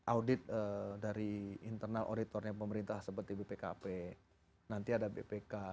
audit dari internal auditornya pemerintah seperti bpkp nanti ada bpk